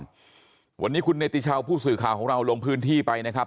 วันนี้คุณเนติชาวผู้สื่อข่าวของเราลงพื้นที่ไปนะครับ